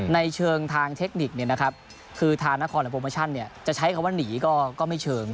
ในเชิงทางเทคนิคคือทางนครหรือโปรโมชั่นจะใช้คำว่าหนีก็ไม่เชิง